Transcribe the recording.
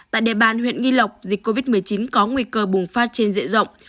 tại địa bàn huyện nghi lộc dịch covid một mươi chín có nguy cơ bùng phát trên diện rộng